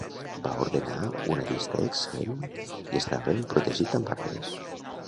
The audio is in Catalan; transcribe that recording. Va ordenar una vista excel·lent i estava ben protegit amb arbres.